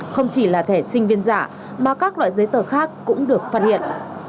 không chỉ là thẻ sinh viên giả mà các loại giấy tờ khác cũng được phát hiện